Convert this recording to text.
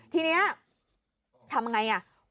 ทีนี้ทำไงอ่ะ